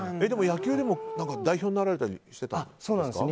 野球でも代表になられたりしてたんですか？